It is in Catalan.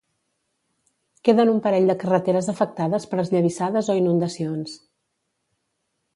Queden un parell de carreteres afectades per esllavissades o inundacions.